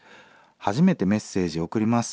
「初めてメッセージを送ります」。